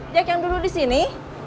jack yang dulu disini